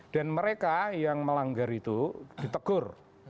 dan mereka yang melanggar itu ditegur